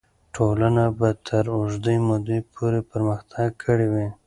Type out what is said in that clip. ټولنه به تر اوږدې مودې پورې پرمختګ کړی وي.